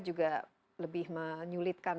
juga lebih menyulitkan